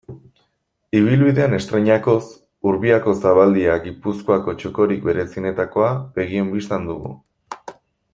Ibilbidean estreinakoz, Urbiako zabaldia, Gipuzkoako txokorik berezienetakoa, begien bistan dugu.